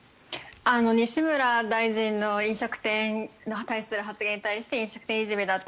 西村大臣の飲食店に対する発言に対して飲食店いじめだと。